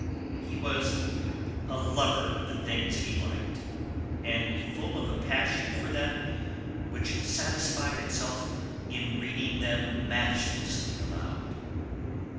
He was a lover of the things he liked, and full of a passion for them which satisfied itself in reading them matchlessly aloud.